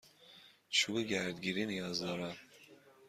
چوب گردگیری نیاز دارم.